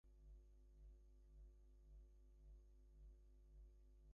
The city of Thomson in McDuffie County, Georgia, was named for him.